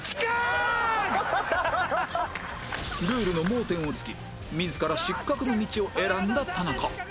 ルールの盲点を突き自ら失格の道を選んだ田中